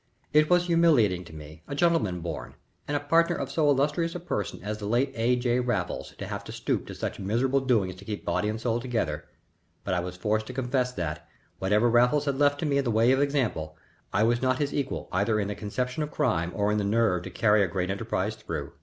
It was humiliating to me, a gentleman born, and a partner of so illustrious a person as the late A. J. Raffles, to have to stoop to such miserable doings to keep body and soul together, but I was forced to confess that, whatever Raffles had left to me in the way of example, I was not his equal either in the conception of crime or in the nerve to carry a great enterprise through.